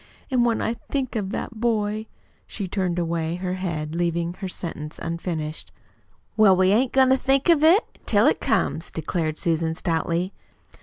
"And when I think of that boy " She turned away her head, leaving her sentence unfinished. "Well, we ain't goin' to think of it till it comes" declared Susan stoutly.